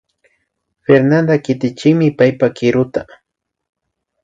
Fernanda katichinmi paypa kiruta